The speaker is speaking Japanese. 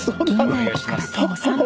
お願いします。